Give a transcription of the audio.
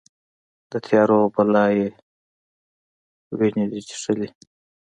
د تیارو بلا یې وینې دي چیښلې